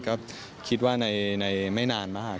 ก็คิดว่าในไม่นานมาก